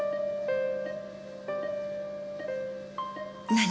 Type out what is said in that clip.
何？